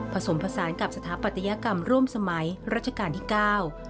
ผสมผสานกับสถาปัตยกรรมร่วมสมัยรัชกาลที่เก้า